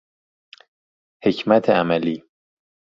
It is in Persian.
حکمت عملی